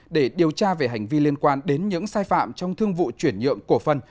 để điều tra về hành vi liên quan đến những sai phạm trong thương vụ chuyển nhượng cổ phân